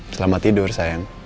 selamat tidur sayang